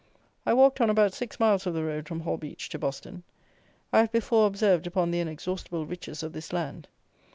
I walked on about six miles of the road from Holbeach to Boston. I have before observed upon the inexhaustible riches of this land.